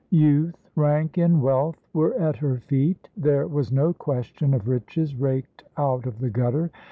Youth, rank, and wealth were at her feet. There was no question of riches raked out of the gutter.